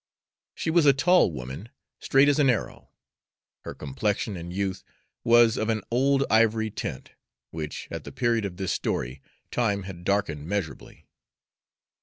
She was a tall woman, straight as an arrow. Her complexion in youth was of an old ivory tint, which at the period of this story, time had darkened measurably.